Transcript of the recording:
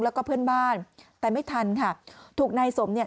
แล้วก็เพื่อนบ้านแต่ไม่ทันค่ะถูกนายสมเนี่ย